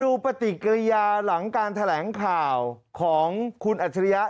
ปฏิกิริยาหลังการแถลงข่าวของคุณอัจฉริยะ